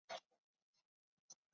东南邻山王。